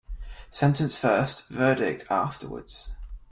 Sentence first—verdict afterwards.